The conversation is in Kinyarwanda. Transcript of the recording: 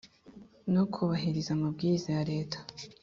no kubahiriza amabwiriza ya Leta